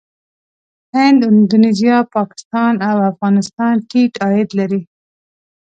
هند، اندونیزیا، پاکستان او افغانستان ټيټ عاید لري.